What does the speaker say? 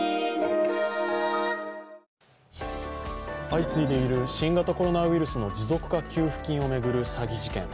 相次いでいる新型コロナウイルスの持続化給付金を巡る詐欺事件。